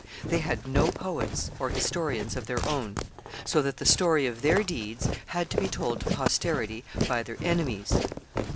They had no poets or historians of their own, so that the story of their deeds had to be told to posterity by their enemies.